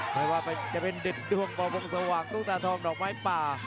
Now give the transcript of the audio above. ไม่ว่าจะเป็นไดรธิ์ดวงประพรงสว่างตู้ตาธรรมดอกไม้ป่า